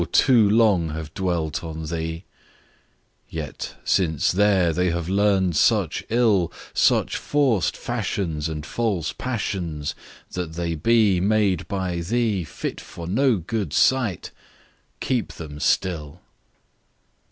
too long have dwelt on thee; Yet since there they have learn'd such ill, Such forced fashions, And false passions, That they be Made by thee Fit for no good sight, keep them still.